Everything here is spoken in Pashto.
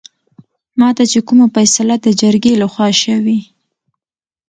ماته چې کومه فيصله دجرګې لخوا شوې